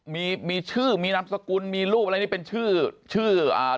มีมีชื่อมีนามสกุลมีรูปอะไรนี่เป็นชื่อชื่ออ่า